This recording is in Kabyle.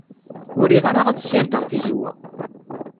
Ur riɣ ara ad ssirdeɣ tizewwa.